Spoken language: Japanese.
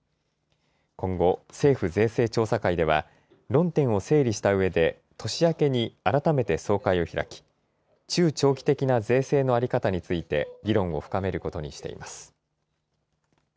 今後、政府税制調査会では論点を整理したうえで年明けに改めて総会を開き中長期的な税制の在り方について議論を深めることにしています。